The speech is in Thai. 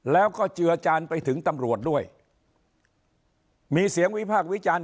แล้วก็เจือจานไปถึงตำรวจด้วยมีเสียงวิพากษ์วิจารณ์